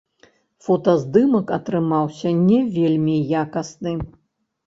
Фотаздымак атрымаўся не вельмі якасны.